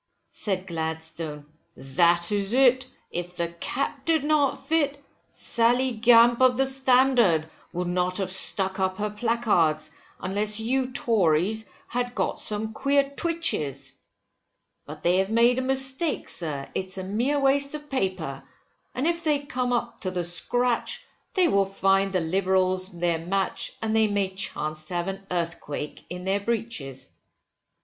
Said Gladstone, that is it, if the cap did not fit, Sally Gamp of the Standard, would not have stuck up her placards, unless you Tories had got some queer twitches, But they have made a mistake, sir, it's a mere waste of paper, and if they come up to the scratch, they will find the Liberals their match, and they may chance to have an earthquake in their breeches.